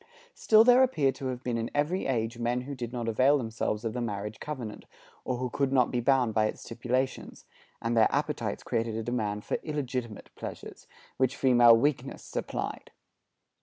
Still there appear to have been in every age men who did not avail themselves of the marriage covenant, or who could not be bound by its stipulations, and their appetites created a demand for illegitimate pleasures, which female weakness supplied.